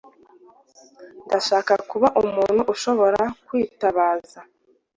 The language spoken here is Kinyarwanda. Ndashaka kuba umuntu ushobora kwitabaza.